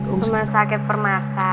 rumah sakit permata